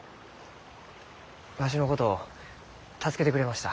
わしのことを助けてくれました。